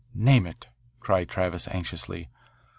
"Name it," cried Travis anxiously.